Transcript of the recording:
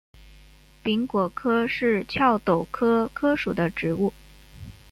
柄果柯是壳斗科柯属的植物。